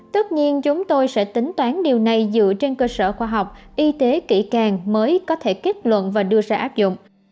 tất nhiên chúng tôi sẽ tính toán điều này dựa trên cơ sở khoa học y tế kỹ càng mới có thể kết luận và đưa ra áp dụng